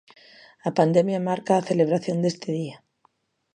A pandemia marca a celebración deste día.